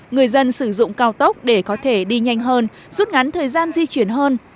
người dân sử dụng cao tốc để có thể đi nhanh hơn rút ngắn thời gian di chuyển hơn